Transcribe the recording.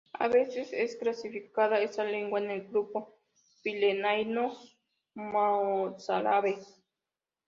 A veces es clasificada esta lengua en el grupo Pirenaico-Mozárabe.